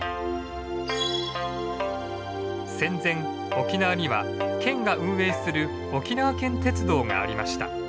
戦前沖縄には県が運営する沖縄県鉄道がありました。